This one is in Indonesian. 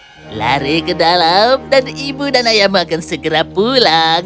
kau tarik ke dalam dan ibu dan ayah makan segera pulang